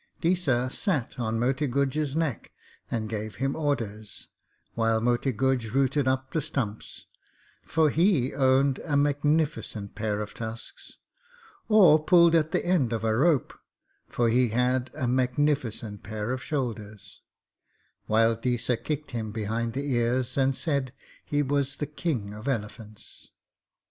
Deesa sat on Moti Guj's neck and gave him orders, while Moti Guj rooted up the stumps for he owned a magnificent pair of tusks; or pulled at the end of a rope for he had a magnificent pair of shoulders, while Deesa kicked him behind the ears and said he was the king of elephants.